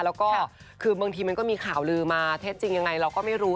แล้วก็คือบางทีมันก็มีข่าวลือมาเท็จจริงยังไงเราก็ไม่รู้